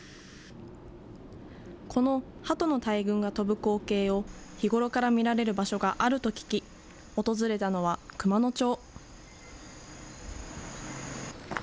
このハトの大群が飛ぶ光景を日頃から見られる場所があると聞き、訪れたのは熊野町。